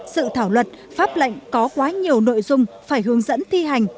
sự thảo luật pháp lệnh có quá nhiều nội dung phải hướng dẫn thi hành